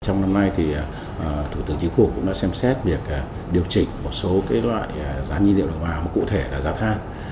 trong năm nay thủ tướng chính phủ cũng đã xem xét việc điều chỉnh một số loại giá nhiên điện đầu vào cụ thể là giá than